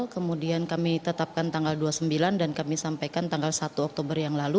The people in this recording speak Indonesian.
kemudian kami tetapkan tanggal dua puluh sembilan dan kami sampaikan tanggal satu oktober yang lalu